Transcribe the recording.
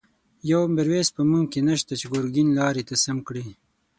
یو«میرویس» په مونږ کی نشته، چه گرگین لاری ته سم کړی